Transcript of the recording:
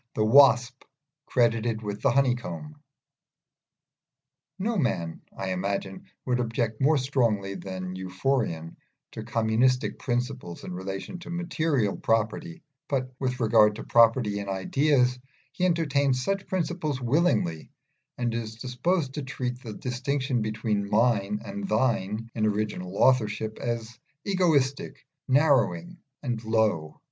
THE WASP CREDITED WITH THE HONEYCOMB No man, I imagine, would object more strongly than Euphorion to communistic principles in relation to material property, but with regard to property in ideas he entertains such principles willingly, and is disposed to treat the distinction between Mine and Thine in original authorship as egoistic, narrowing, and low.